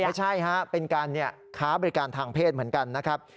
ไม่ใช่ฮะเป็นการค้าบริการทางเพศเหมือนกันนะครับ